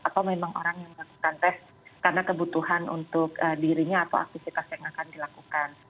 atau memang orang yang melakukan tes karena kebutuhan untuk dirinya atau aktivitas yang akan dilakukan